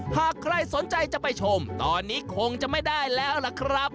หากใครสนใจจะไปชมตอนนี้คงจะไม่ได้แล้วล่ะครับ